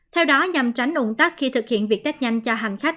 theo đó nhằm tránh ủng tắc khi thực hiện việc test nhanh cho hành khách